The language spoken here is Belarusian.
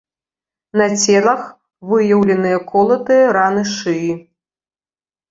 На целах выяўленыя колатыя раны шыі.